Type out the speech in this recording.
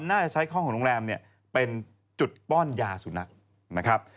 น่าจะใช้ห้องของโรงแรมเนี่ยเป็นจุดป้อนยาสุนัขนะครับ